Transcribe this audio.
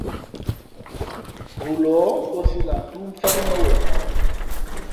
Hulǒh nkōsī lah ntóó fāk nά wen.